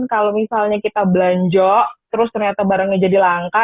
kalau misalnya kita belanja terus ternyata barangnya jadi langka